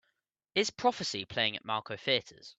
Is Prophecy playing at Malco Theatres